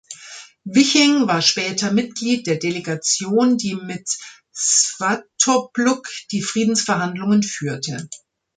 Wiching war später Mitglied der Delegation, die mit Svatopluk die Friedensverhandlungen führte.